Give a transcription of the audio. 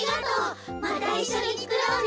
またいっしょにつくろうね！